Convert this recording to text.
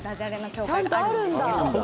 ちゃんとあるんだ！